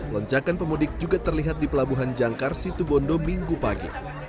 lonjakan pemudik juga terlihat di pelabuhan jangkar situbondo minggu pagi